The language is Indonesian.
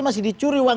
masih dicuri uang